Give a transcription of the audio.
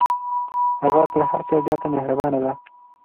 هغه تر هر چا زیاته مهربانه ده.